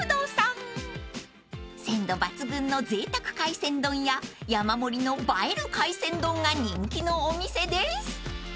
［鮮度抜群のぜいたく海鮮丼や山盛りの映える海鮮丼が人気のお店です］